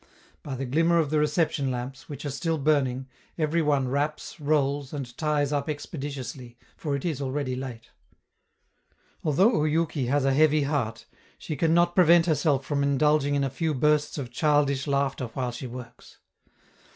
By the glimmer of the reception lamps, which are still burning, every one wraps, rolls, and ties up expeditiously, for it is already late. Although Oyouki has a heavy heart, she can not prevent herself from indulging in a few bursts of childish laughter while she works.